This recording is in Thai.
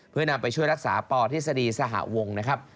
เพื่อนำไปช่วยรักษาปทฤษฎีสหวงนะครับ